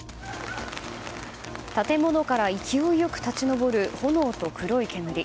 建物から勢いよく立ち上る炎と黒い煙。